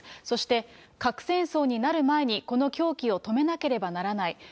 そして核戦争になる前にこの狂気を止めなければならない。